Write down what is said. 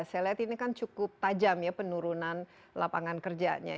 saya lihat ini kan cukup tajam ya penurunan lapangan kerjanya